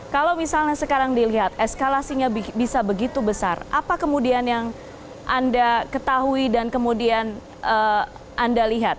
kalau misalnya sekarang dilihat eskalasinya bisa begitu besar apa kemudian yang anda ketahui dan kemudian anda lihat